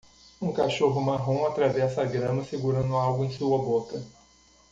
Um cachorro marrom atravessa a grama segurando algo em sua boca